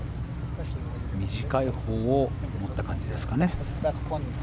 短いほうを持った感じですかね。